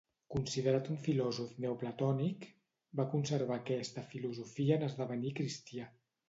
Considerat un filòsof neoplatònic, va conservar aquesta filosofia en esdevenir cristià.